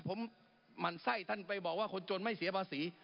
ผมหมั่นไส้ท่านไปบอกว่าคนจนไม่เสียภาษี